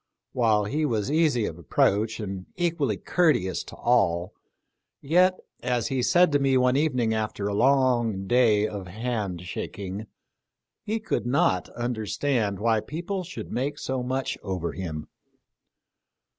While he was easy of approach and equally courteous to all, I 2 THE LIFE OF LINCOLN. yet, as he said to me one evening after a long day of hand shaking, he could not understand why people should make so much over him.